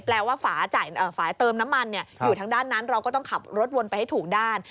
แปลว่าฝ่ายเติมน้ำมันอยู่ทางด้านนั้นเราก็ต้องขับรถวนไปให้ถูกด้าน